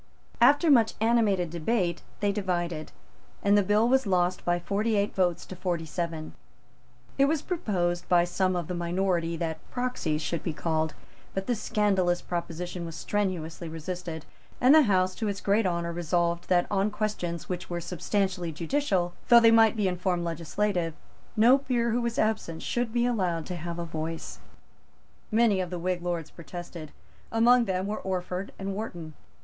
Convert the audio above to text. After much animated debate, they divided; and the bill was lost by forty eight votes to forty seven. It was proposed by some of the minority that proxies should be called; but this scandalous proposition was strenuously resisted; and the House, to its great honour, resolved that on questions which were substantially judicial, though they might be in form legislative, no peer who was absent should be allowed to have a voice. Many of the Whig Lords protested. Among them were Orford and Wharton.